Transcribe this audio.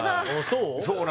そう？